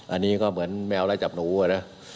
อันนี้ก็เหมือนแมวไล่จับหนูอะนะ